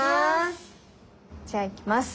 じゃあいきます。